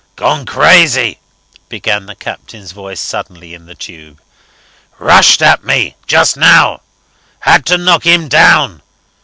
"Gone crazy," began the Captain's voice suddenly in the tube. "Rushed at me. ... Just now. Had to knock him down.